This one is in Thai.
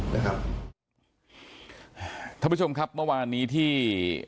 ท่านผู้ชมครับเมื่อวานนี้ที่